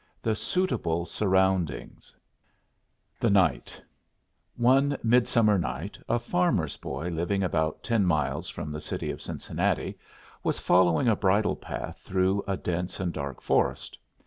THE SUITABLE SURROUNDINGS THE NIGHT One midsummer night a farmer's boy living about ten miles from the city of Cincinnati was following a bridle path through a dense and dark forest.